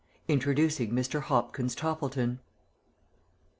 INTRODUCING MR. HOPKINS TOPPLETON.